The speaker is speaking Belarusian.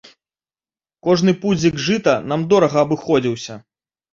Кожны пудзік жыта нам дорага абыходзіўся.